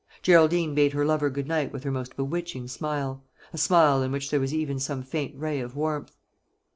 Geraldine bade her lover good night with her most bewitching smile a smile in which there was even some faint ray of warmth.